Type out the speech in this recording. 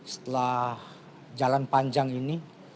setelah jalan panjang ini